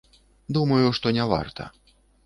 Думаю, што не варта.